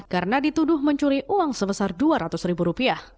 karena dituduh mencuri uang sebesar rp dua ratus